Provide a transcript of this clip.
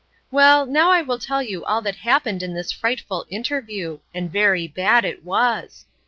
Well, now I will tell you all that happened in this frightful interview.—And very bad it was.